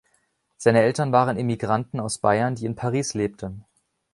Seine Eltern waren Immigranten aus Bayern, die in Paris lebten.